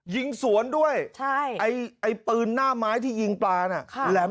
ยิงสวนด้วยใช่ไอ้ไอ้ปืนหน้าไม้ที่ยิงปลาน่ะบท